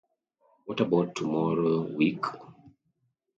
What about tomorrow week?